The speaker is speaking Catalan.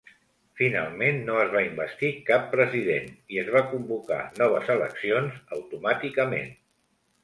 Finalment no es va investir cap president i es van convocar noves eleccions automàticament.